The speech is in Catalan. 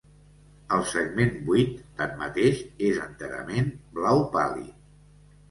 El segment vuit, tanmateix, és enterament blau pàl·lid.